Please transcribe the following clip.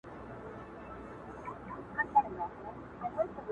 په سینه کې را ستر شوی دی